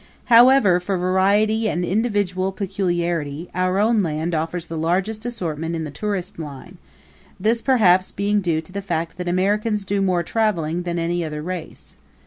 However, for variety and individual peculiarity, our own land offers the largest assortment in the tourist line, this perhaps being due to the fact that Americans do more traveling than any other race.